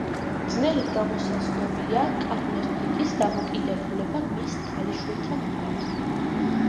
ძნელი გამოსაცნობია კარლოს დიდის დამოკიდებულება მის ქალიშვილთა მიმართ.